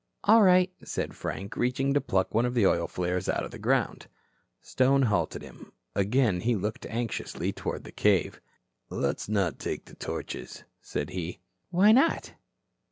"All right," said Frank, reaching to pluck one of the oil flares out of the ground. Stone halted him. Again he looked anxiously toward the cave. "Let's not take the torches," said he. "Why not?"